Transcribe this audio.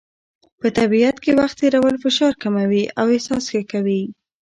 په طبیعت کې وخت تېرول فشار کموي او احساس ښه کوي.